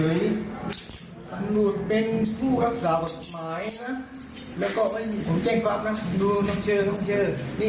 โบราณศรีธรรมราชครับ